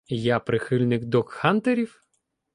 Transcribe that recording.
Я прихильник догхантерів?